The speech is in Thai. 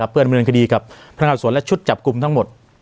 เพื่อดำเนินคดีกับพนักงานสวนและชุดจับกลุ่มทั้งหมด